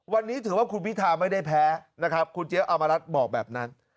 วันนี้ถือว่าคุณพิธาไม่ได้แพ้นะครับคุณเจี๊ยอามรัฐบอกแบบนั้น